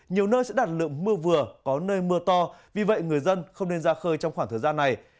nhiều nơi sẽ đạt lượng mưa vừa có nơi mưa to vì vậy người dân không nên ra khơi trong khoảng thời gian này